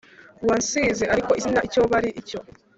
wansize ariko izina icyo bari cyo.